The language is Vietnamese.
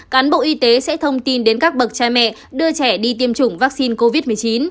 cán bộ y tế sẽ thông tin đến các bậc cha mẹ đưa trẻ đi tiêm chủng vaccine covid một mươi chín